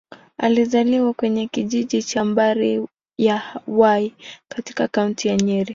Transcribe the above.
Alizaliwa kwenye kijiji cha Mbari-ya-Hwai, katika Kaunti ya Nyeri.